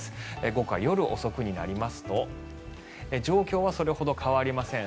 午後から夜遅くになりますと状況はそれほど変わりません。